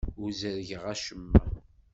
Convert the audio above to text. Ur ẓerrgeɣ acemma.